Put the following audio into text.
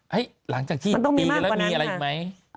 หลังจากที่ตีกันแล้วมีอะไรอีกไหม